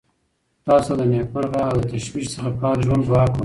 تاسو ته د نېکمرغه او له تشویش څخه پاک ژوند دعا کوم.